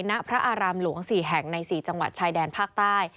ณพระอารามหลวง๔แห่งใน๔จังหวัดชายแดนภาคใต้